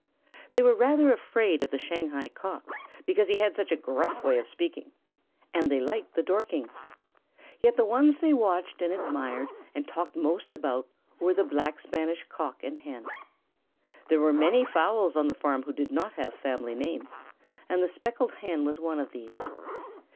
They were rather afraid of the Shanghai Cock because he had such a gruff way of speaking, and they liked the Dorkings, yet the ones they watched and admired and talked most about were the Black Spanish Cock and Hen. There were many fowls on the farm who did not have family names, and the Speckled Hen was one of these.